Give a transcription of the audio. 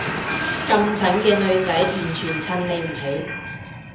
咁蠢嘅女仔完全襯你唔起